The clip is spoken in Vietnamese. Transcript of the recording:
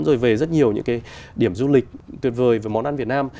rồi về rất nhiều những cái điểm du lịch tuyệt vời về món ăn việt nam